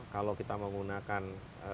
kalau kita menggunakan